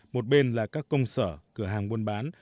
một bên là các công sở cửa hàng buôn bán